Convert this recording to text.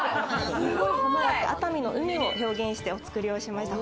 熱海の海を表現してお造りをしました。